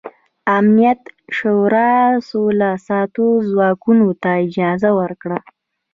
امنیت شورا سوله ساتو ځواکونو ته اجازه ورکړه.